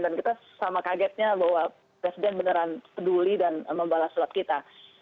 dan kita sama kagetnya bahwa presiden beneran peduli dan membalas surat kita